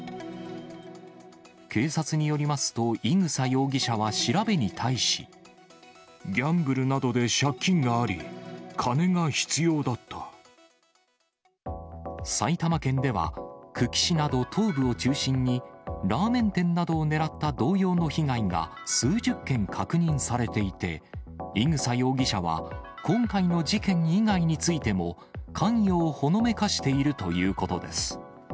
警察によりますと、伊草容疑者は調べに対し。ギャンブルなどで借金があり、埼玉県では、久喜市など東部を中心に、ラーメン店などをねらった同様の被害が数十件確認されていて、伊草容疑者は今回の事件以外についても、関与をほのめかしているということです。